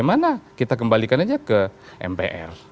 membalikan aja ke mpr